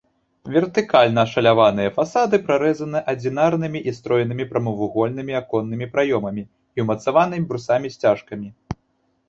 Вертыкальна ашаляваныя фасады прарэзаны адзінарнымі і строенымі прамавугольнымі аконнымі праёмамі і ўмацаваны брусамі-сцяжкамі.